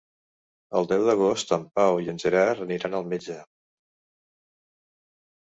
El deu d'agost en Pau i en Gerard aniran al metge.